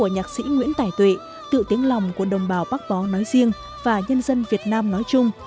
nhạc sĩ nguyễn tài tuệ tự tiếng lòng của đồng bào bắc bó nói riêng và nhân dân việt nam nói chung